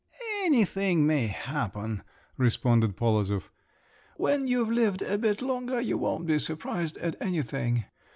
"Anything may happen," responded Polozov. "When you've lived a bit longer, you won't be surprised at anything.